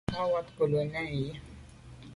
À wat nkelo nèn yi.